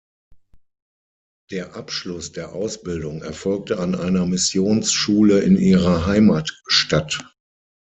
Der Abschluss der Ausbildung erfolgte an einer Missionsschule in ihrer Heimatstadt.